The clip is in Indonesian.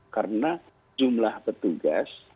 karena jumlah petugas